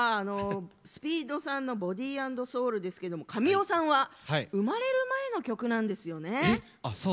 ＳＰＥＥＤさんの「Ｂｏｄｙ＆Ｓｏｕｌ」ですけど神尾さんは、生まれる前の曲なんですよね？